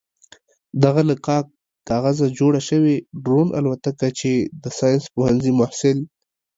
دغه له کاک کاغذه جوړه شوې ډرون الوتکه چې د ساينس پوهنځي محصل